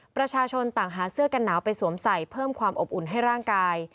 ประชาชนต่างหาเสื้อกันหนาวไปสวมใส่เพิ่มความอบอุ่นให้ร่างกาย